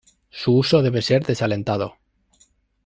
Su uso debe ser desalentado.